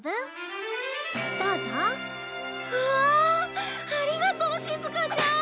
ありがとうしずかちゃん！